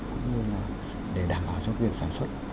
cũng như là để đảm bảo cho việc sản xuất